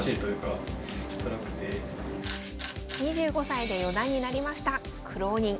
２５歳で四段になりました苦労人